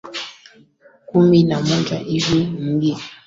kumi na nane hiviKipindi cha upanuzi ulifuatwa na Emutai ya miaka elfu moja